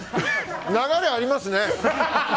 流れありますね。